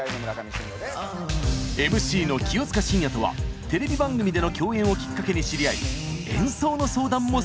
ＭＣの清塚信也とはテレビ番組での共演をきっかけに知り合い